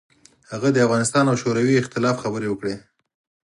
هغه د افغانستان او شوروي اختلاف خبرې وکړې.